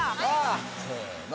せの。